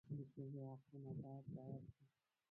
د ښځو حقونه باید رعایت شي.